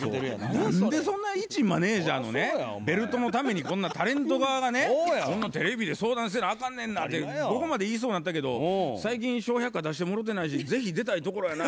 「何でそんないちマネージャーのねベルトのためにこんなタレント側がねこんなテレビで相談せなあかんねんな」ってここまで言いそうになったけど「最近『笑百科』出してもろてないし是非出たいところやな」